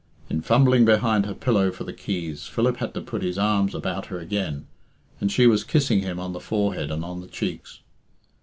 In fumbling behind her pillow for the keys, Philip had to put his arms about her again, and she was kissing him on the forehead and on the cheeks.